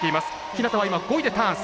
日向は今５位でターン。